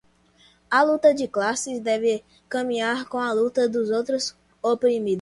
A luta de classes deve caminhar com a luta dos outros oprimidos